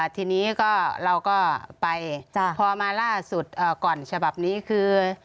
ทีนี้ก็เราก็ไปพอมาล่าสุดก่อนฉบับนี้คือ